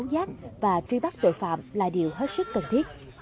giác và truy bắt tội phạm là điều hết sức cần thiết